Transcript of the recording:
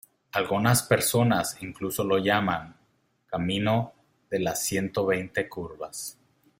Algunas personas incluso lo llaman "Camino de las Ciento Veinte Curvas".